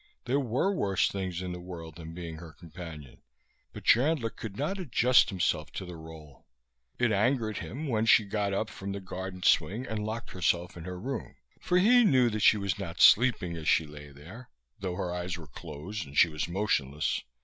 There were worse things in the world than being her companion; but Chandler could not adjust himself to the role. It angered him when she got up from the garden swing and locked herself in her room for he knew that she was not sleeping as she lay there, though her eyes were closed and she was motionless.